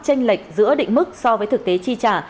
tranh lệch giữa định mức so với thực tế chi trả